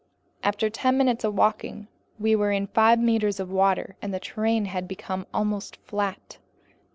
After ten minutes of walking, we were in five meters of water, and the terrain had become almost flat.